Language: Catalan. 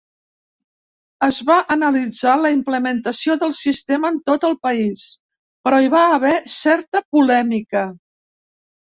Es va analitzar la implementació del sistema en tot el país, però hi va haver certa polèmica.